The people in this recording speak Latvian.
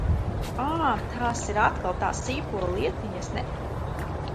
Ā, tās ir atkal tās sīpolu lietiņas, ne?